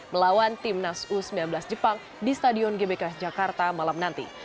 melawan timnas u sembilan belas jepang di stadion gbk jakarta malam nanti